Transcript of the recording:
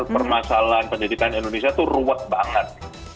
permasalahan pendidikan indonesia itu ruwet banget